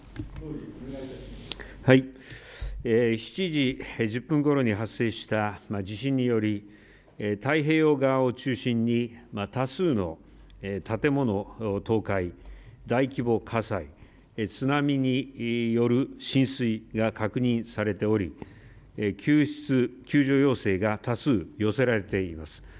７時１０分ごろに発生した地震により太平洋側を中心に多数の建物の倒壊、大規模火災、津波による浸水が確認されており、救出、救助要請が多数、寄せられています。